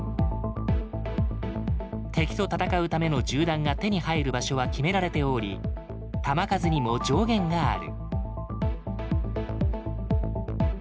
敵と戦うための銃弾が手に入る場所は決められており弾数にも上限がある。